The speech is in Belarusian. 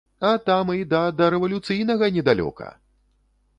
А там і да дарэвалюцыйнага недалёка!